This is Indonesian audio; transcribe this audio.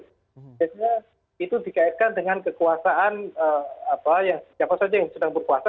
biasanya itu dikaitkan dengan kekuasaan siapa saja yang sedang berkuasa